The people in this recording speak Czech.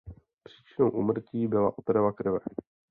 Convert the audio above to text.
Příčinou úmrtí byla otrava krve.